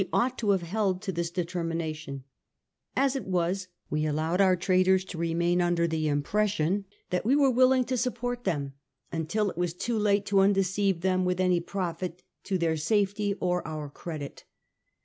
ought to have held to this determination. As it was, we allowed our traders to remain under the impres VOL. i. N 178 A HISTORY OF OUR OWN TIMES, cm. vni. sion that we were willing to support them, until it was too late to undeceive them with any profit to their safety or our credit.